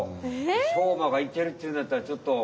しょうまがいけるっていうんだったらちょっと。